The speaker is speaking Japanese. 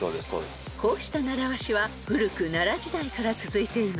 ［こうした習わしは古く奈良時代から続いています］